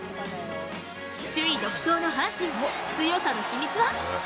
首位独走の阪神、強さの秘密は？